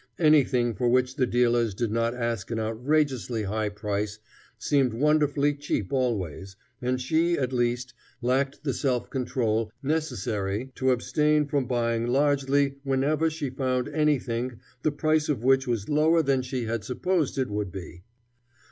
Anything for which the dealers did not ask an outrageously high price seemed wonderfully cheap always, and she, at least, lacked the self control necessary to abstain from buying largely whenever she found anything the price of which was lower than she had supposed it would be.